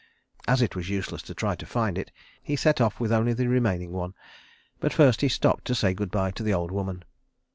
As it was useless to try to find it, he set off with only the remaining one, but first he stopped to say good by to the old woman.